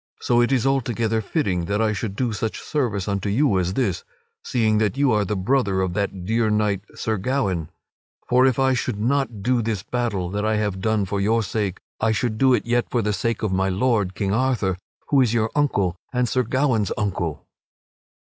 So it is altogether fitting that I should do such service unto you as this, seeing that you are the brother of that dear knight, Sir Gawaine. For if I should not do this battle that I have done for your sake, I should yet do it for the sake of my lord, King Arthur, who is your uncle and Sir Gawaine's uncle."